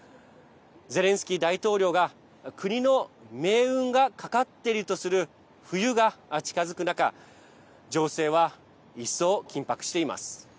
ゼレンスキー大統領が国の命運が、かかっているとする冬が近づく中情勢は一層、緊迫しています。